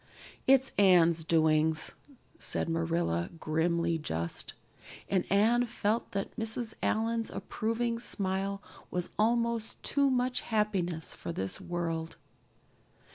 "It's Anne's doings," said Marilla, grimly just; and Anne felt that Mrs. Allan's approving smile was almost too much happiness for this world.